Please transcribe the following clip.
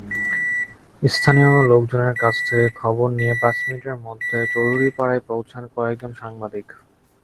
স্থানীয় লোকজনের কাছ থেকে খবর নিয়ে পাঁচ মিনিটের মধ্যে চৌধুরীপাড়ায় পৌঁছান কয়েকজন সাংবাদিক।